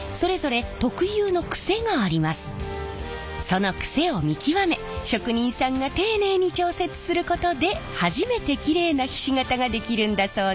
そのクセを見極め職人さんが丁寧に調節することで初めてキレイなひし形が出来るんだそうです。